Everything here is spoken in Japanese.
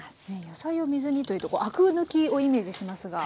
野菜を水にというとアク抜きをイメージしますが。